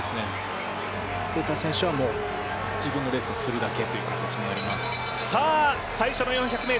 ベッター選手は自分のレースをするだけという形になります。